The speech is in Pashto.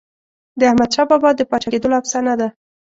د احمدشاه بابا د پاچا کېدلو افسانه ده.